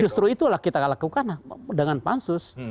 justru itulah kita lakukan dengan pansus